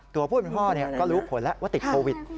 ตัวผู้เป็นพ่อก็รู้ผลแล้วว่าติดโควิด